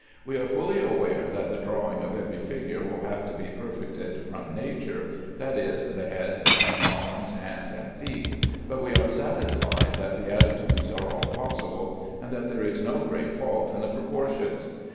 We are fully aware that the drawing of every figure will have to be perfected from nature, that is, the head, neck, arms, hands, and feet; but we are satisfied that the attitudes are all possible, and that there is no great fault in the proportions.